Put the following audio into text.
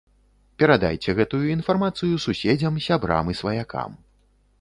Перадайце гэтую інфармацыю суседзям, сябрам і сваякам.